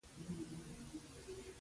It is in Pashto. پیسو لېږل وسله والو ډلو ته.